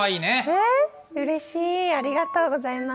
えうれしいありがとうございます。